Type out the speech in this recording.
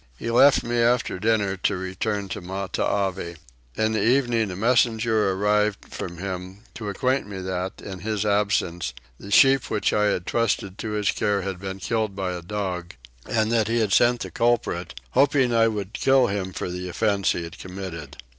He left me after dinner to return to Matavai. In the evening a messenger arrived from him to acquaint me that, in his absence, the sheep which I had trusted to his care had been killed by a dog; and that he had sent the culprit, hoping that I would kill him for the offence he had committed.